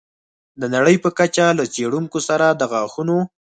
د نړۍ په کچه له څېړونکو سره د غاښونو